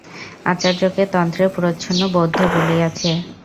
আচার্যকে তন্ত্রে প্রচ্ছন্ন বৌদ্ধ বলিয়াছে।